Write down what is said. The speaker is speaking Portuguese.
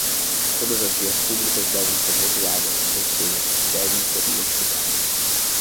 Todas as vias públicas devem ser rotuladas, ou seja, devem ser identificadas.